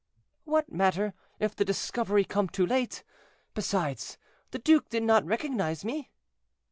"What matter, if the discovery come too late? Besides, the duke did not recognize me."